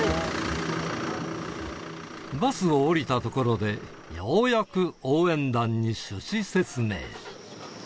バスを降りたところでようやく応援団に趣旨説明。